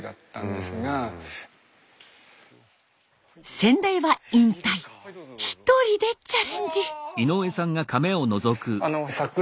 先代は引退一人でチャレンジ。